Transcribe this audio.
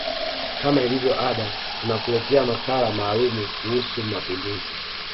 kama ilivyo ada tunakuletea makala maalumu kuhushu mapinduzi